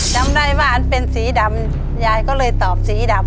จำได้ว่าอันเป็นสีดำยายก็เลยตอบสีดำ